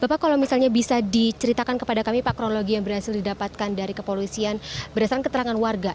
bapak kalau misalnya bisa diceritakan kepada kami pak kronologi yang berhasil didapatkan dari kepolisian berdasarkan keterangan warga